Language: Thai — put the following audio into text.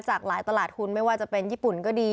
จากหลายตลาดทุนไม่ว่าจะเป็นญี่ปุ่นก็ดี